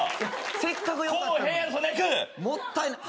せっかくよかったのに。